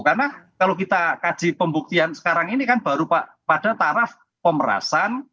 karena kalau kita kaji pembuktian sekarang ini kan baru pak pada taraf pemerasan